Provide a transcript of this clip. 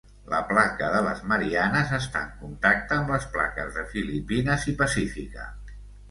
La placa de les Mariannes està en contacte amb les plaques de Filipines i pacífica.